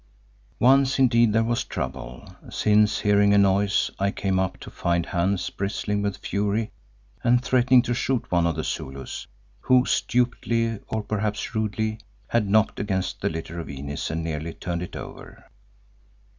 Once, indeed, there was trouble, since hearing a noise, I came up to find Hans bristling with fury and threatening to shoot one of the Zulus, who stupidly, or perhaps rudely, had knocked against the litter of Inez and nearly turned it over.